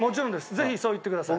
ぜひそう言ってください。